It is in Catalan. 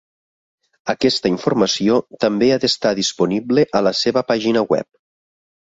Aquesta informació també ha d'estar disponible a la seva pàgina web.